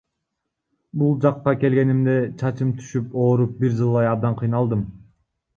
Бул жакка келгенимде чачым түшүп, ооруп бир жылдай абдан кыйналдым.